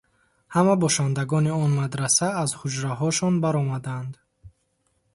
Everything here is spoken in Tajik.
Ҳама бошандагони он мадраса аз ҳуҷраҳошон баромаданд.